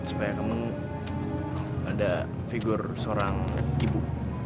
supaya kamu ada figur seorang ibu